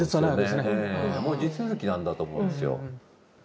もう地続きなんだと思うんですよ。